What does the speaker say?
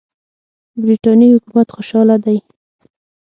برټانیې حکومت خوشاله دی.